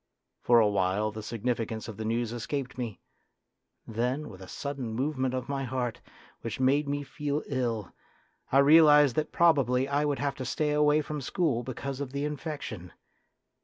For a while the significance of the news escaped me; then, with a sudden movement of my heart, which made me feel ill, I realised that probably I would have to stay away from school because of the infection.